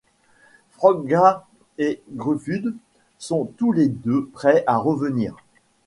Froggatt et Gruffudd sont tous les deux prêts à revenir.